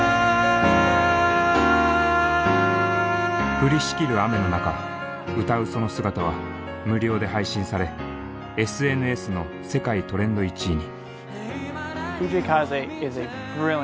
降りしきる雨の中歌うその姿は無料で配信されＳＮＳの世界トレンド１位に。